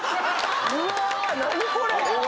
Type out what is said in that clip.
うわ何これ⁉